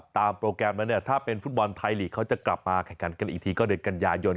ตามโปรแกรมแล้วถ้าเป็นฟุตบอลไทยลีกเขาจะกลับมาแข่งกันอีกทีก็เดินกันยายน